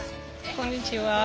こんにちは。